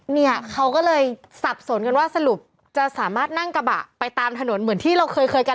เนี่ยเขาก็เลยสับสนกันว่าสรุปจะสามารถนั่งกระบะไปตามถนนเหมือนที่เราเคยเคยกัน